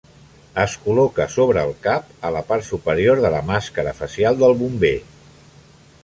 Es col·loca sobre el cap, a la part superior de la màscara facial del bomber.